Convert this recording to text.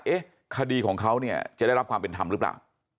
คดีของเขาเนี่ยจะได้รับความเป็นธรรมหรือเปล่า